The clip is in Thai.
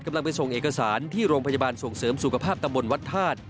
กำลังไปส่งเอกสารที่โรงพยาบาลส่งเสริมสุขภาพตำบลวัดธาตุ